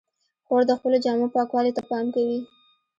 خور د خپلو جامو پاکوالي ته پام کوي.